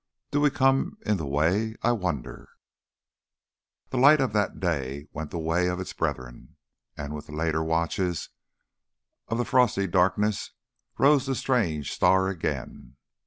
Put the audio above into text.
"Do we come in the way? I wonder " The light of that day went the way of its brethren, and with the later watches of the frosty darkness rose the strange star again.